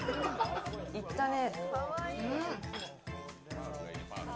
いったね。